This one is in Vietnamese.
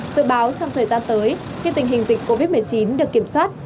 dự báo trong thời gian tới khi tình hình dịch covid một mươi chín được kiểm soát